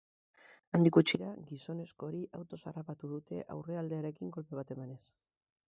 Handik gutxira, gizonezko hori autoz harrapatu dute aurrealdearekin kolpe bat emanez.